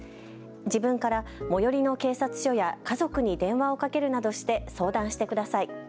自分から最寄りの警察署や家族に電話をかけるなどして相談してください。